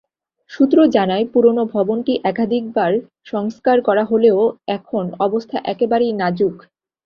সূত্র জানায়, পুরোনো ভবনটি একাধিকবার সংস্কার করা হলেও এখন অবস্থা একেবারেই নাজুক।